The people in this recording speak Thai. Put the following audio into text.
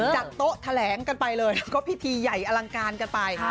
จัดโต๊ะแถลงกันไปเลยก็พิธีใหญ่อลังการกันไป